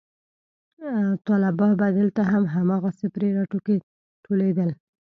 طلبا به دلته هم هماغسې پرې راټولېدل.